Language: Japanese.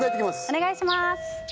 お願いします